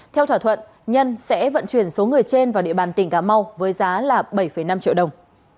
theo thỏa thuận nhân sẽ vận chuyển số người trên vào địa bàn tỉnh cà mau với giá là bảy năm triệu đồng